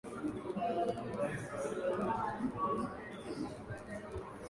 hiyo kwenda na kurudi sio shilingi elfu mbili tena unakuwa ni shilingi karibu